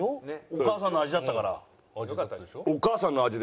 お母さんの味だったから。